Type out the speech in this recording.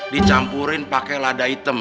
dicampurin pake lada hitam